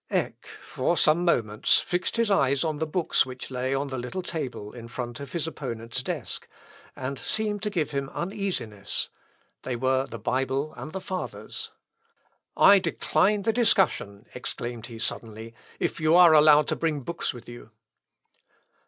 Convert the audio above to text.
Eck, for some moments, fixed his eyes on the books which lay on the little table in front of his opponent's desk, and seemed to give him uneasiness: they were the Bible and the Fathers. "I decline the discussion," exclaimed he suddenly, "if you are allowed to bring books with you."